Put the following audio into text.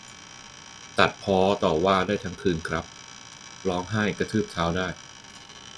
ตัดพ้อต่อว่าได้ทั้งคืนครับ ร้องไห้กระทืบเท้าได้